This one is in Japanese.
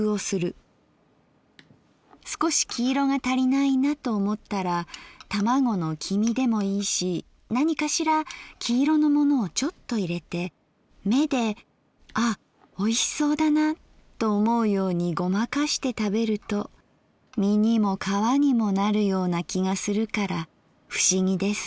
すこし黄色が足りないなと思ったら卵の黄身でもいいし何かしら黄色のものをちょっと入れて目で「あっおいしそうだな」と思うようにごまかして食べると身にも皮にもなるような気がするから不思議です」。